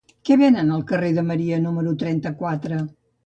Què venen al carrer de Maria número trenta-quatre?